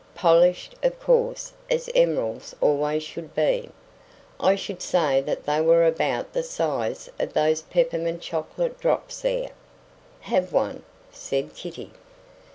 Polished, of course, as emeralds always should be. I should say that they were about the size of those peppermint chocolate drops there." "Have one?" said Kitty.